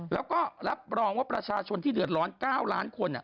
แล้วก็รับรองว่าประชาชนที่เดือดร้อน๙ล้านคน